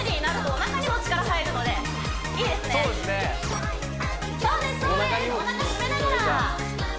おなか締めながら！